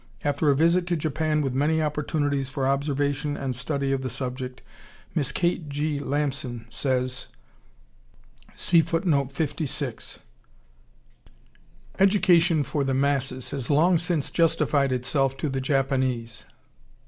After a visit to Japan with many opportunities for observation and study of the subject, Miss Kate G. Lamson says: Education for the masses has long since justified itself to the Japanese.